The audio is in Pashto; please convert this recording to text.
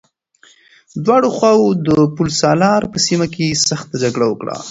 دواړو خواوو د پل سالار په سيمه کې سخته جګړه وکړه.